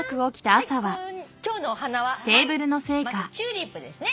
今日のお花はまずチューリップですね。